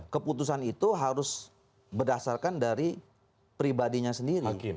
keputusan itu harus berdasarkan dari pribadinya sendiri